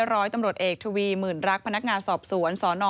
ร้อยตำรวจเอกทวีหมื่นรักพนักงานสอบสวนสน